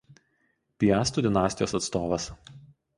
Piastų dinastijos atstovas.